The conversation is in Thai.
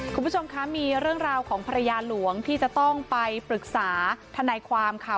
คุณผู้ชมคะมีเรื่องราวของภรรยาหลวงที่จะต้องไปปรึกษาทนายความค่ะ